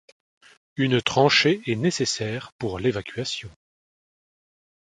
Une tranchée est nécessaire pour l’évacuation